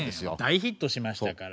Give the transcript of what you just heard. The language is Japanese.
大ヒットしましたから。